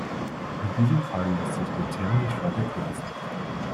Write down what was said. In diesem Fall läßt sich der Term nicht weiter kürzen.